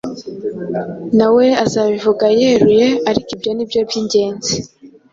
Ntawe uzabivuga yeruye, ariko ibyo nibyo byingenzi.